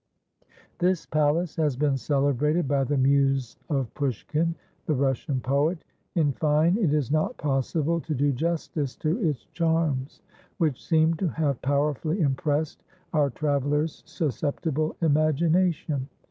This palace has been celebrated by the muse of Pushkin, the Russian poet; in fine, it is not possible to do justice to its charms, which seem to have powerfully impressed our traveller's susceptible imagination.